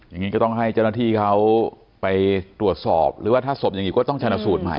อย่างนี้ก็ต้องให้เจ้าหน้าที่เขาไปตรวจสอบหรือว่าถ้าศพยังอยู่ก็ต้องชนะสูตรใหม่